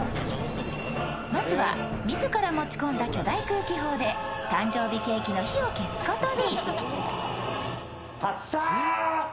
まずは、自ら持ち込んだ巨大空気砲で誕生日ケーキの火を消すことに。